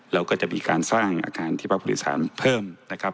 แล้วก็จะมีการสร้างอาการที่พระพุทธศาลเพิ่มนะครับ